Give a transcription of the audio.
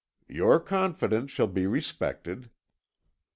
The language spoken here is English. "Your confidence shall be respected."